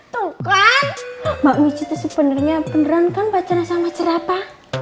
tuh kan mbak mici tuh sebenernya beneran kan pacaran sama cerapa